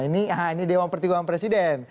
nah ini dewan pertigaan presiden